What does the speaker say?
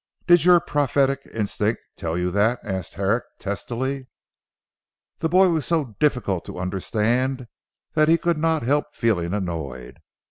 "Did your prophetic instinct tell you that?" asked Herrick testily. The boy was so difficult to understand that he could not help feeling annoyed.